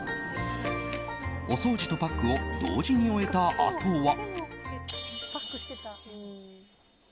お掃除とパックを同時に終えたあとは。